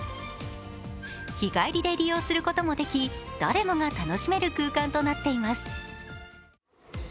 日帰りで利用することもでき、誰もが楽しめる空間となっています。